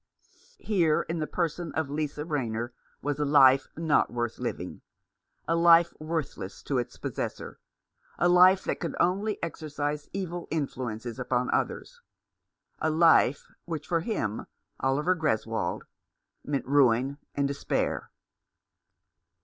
Here, in the person of Lisa Rayner, was a life not worth living — a life worthless to its possessor ; a life that could only exercise evil influences upon others ; a life which for him, Oliver Greswold, meant ruin and despair.